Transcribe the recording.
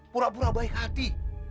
pura pura baik hati